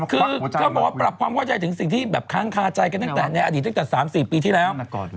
คือเธอบอกว่าปรับความเข้าใจถึงสิ่งที่แบบค้างคาใจกันตั้งแต่ในอดีตตั้งแต่๓๔ปีที่แล้ว